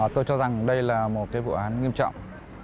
tôi cho rằng đây là một cái vụ án nghiêm trọng